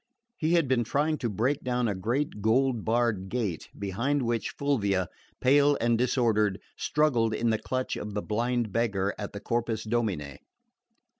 He had been trying to break down a great gold barred gate, behind which Fulvia, pale and disordered, struggled in the clutch of the blind beggar of the Corpus Domini...